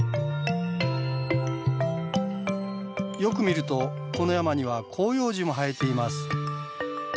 よく見るとこの山には広葉樹も生えています。